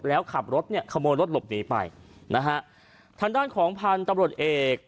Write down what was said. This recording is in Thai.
แล้วขับรถเนี่ยขโมยรถหลบหนีไปนะฮะทางด้านของพันธุ์ตำรวจเอก